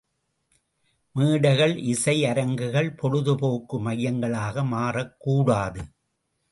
மேடைகள், இசை அரங்குகள், பொழுதுபோக்கு மையங்களாக மாறக்கூடாது.